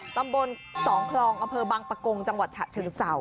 ตำบลสองคลองอำเภอบางปะกงจังหวัดฉะเชิงเศร้า